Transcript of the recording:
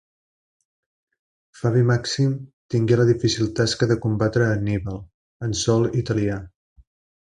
Fabi Màxim tingué la difícil tasca de combatre a Anníbal en sòl italià.